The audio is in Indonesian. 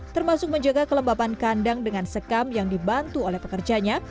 termasuk menjaga kelembapan kandang dengan sekam yang dibantu oleh pekerjanya